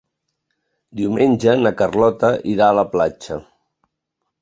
Diumenge na Carlota irà a la platja.